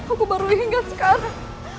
aku baru ingat sekarang